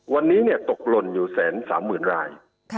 วันนี้ตกหล่นอยู่๑๓๐๐๐ราย